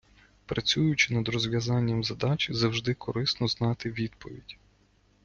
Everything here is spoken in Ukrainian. Працюючи над розв'язанням задачі, завжди корисно знати відповідь.